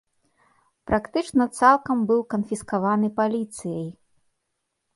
Практычна цалкам быў канфіскаваны паліцыяй.